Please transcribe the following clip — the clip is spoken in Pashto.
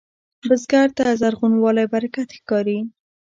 بزګر ته زرغونوالی برکت ښکاري